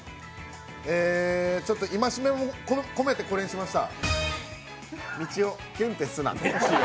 ちょっと戒めも込めてこれにしました。